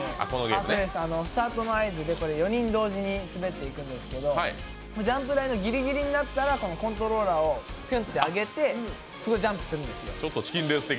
スタートの合図で４人同時に滑っていくんですけどジャンプ台のぎりぎりになったコントローラーを上げてジャンプするんですよ。